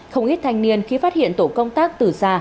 không ít thanh niên khi phát hiện tổ công tác từ xa